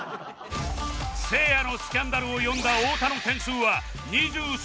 せいやのスキャンダルを詠んだ太田の点数は２３点